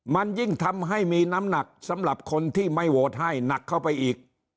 มันยิ่งทำให้มีน้ำหนักสำหรับคนที่ไม่โหวตให้หนักเข้าไปอีก